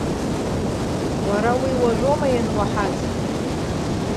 Уара уи уажәоума иануаҳаз!?